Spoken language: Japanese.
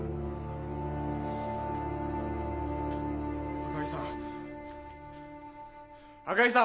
赤城さん赤城さん